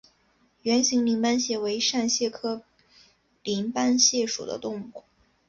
圆形鳞斑蟹为扇蟹科鳞斑蟹属的动物。